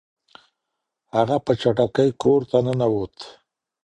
هغه په چټکۍ کور ته ننوت.